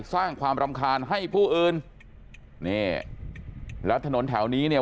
สร้างความรำคาญให้ผู้อื่นนี่แล้วถนนแถวนี้เนี่ย